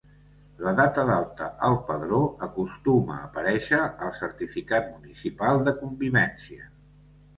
La data d'alta al padró acostuma a aparèixer al Certificat Municipal de Convivència.